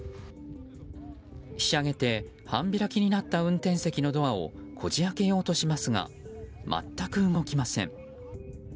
ひしゃげて半開きになった運転席のドアをこじ開けようとしますが全く動きません。